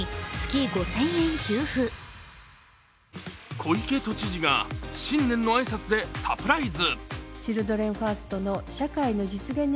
小池都知事が新年の挨拶でサプライズ。